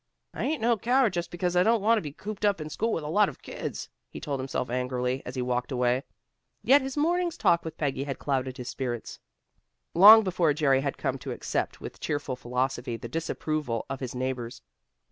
"I ain't no coward, just because I don't want to be cooped up in school with a lot of kids," he told himself angrily, as he walked away. Yet his morning's talk with Peggy had clouded his spirits. Long before Jerry had come to accept with cheerful philosophy the disapproval of his neighbors.